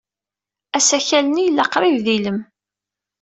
Asakal-nni yella qrib d ilem.